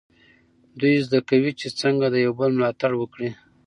دوی زده کوي چې څنګه د یو بل ملاتړ وکړي.